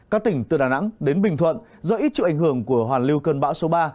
các tỉnh từ đà nẵng đến bình thuận do ít chịu ảnh hưởng của hoàn lưu cơn bão số ba